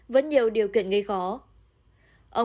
vẫn nhiều điều kiện gây khó